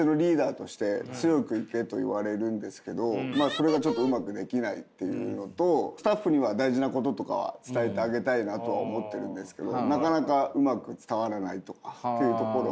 それがちょっとうまくできないっていうのとスタッフには大事なこととかは伝えてあげたいなとは思ってるんですけどなかなかうまく伝わらないとかっていうところが。